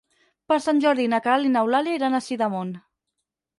Per Sant Jordi na Queralt i n'Eulàlia iran a Sidamon.